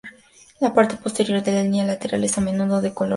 La parte posterior de la línea lateral es a menudo de color rosa.